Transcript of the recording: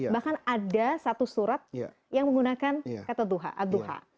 bahkan ada satu surat yang menggunakan kata duha